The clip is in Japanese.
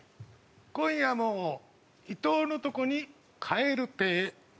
今夜も伊藤のとこに蛙亭。